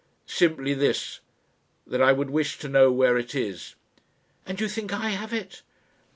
"Simply this, that I would wish to know where it is." "And you think I have it?"